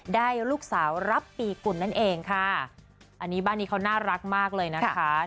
ได้ลูกสาวรับปีกุลนั่นเองค่ะอันนี้บ้านนี้เขาน่ารักมากเลยนะคะ